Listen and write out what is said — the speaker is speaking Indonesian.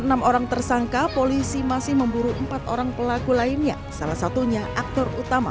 enam orang tersangka polisi masih memburu empat orang pelaku lainnya salah satunya aktor utama